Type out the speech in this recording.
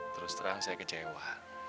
terus terang saya kecewa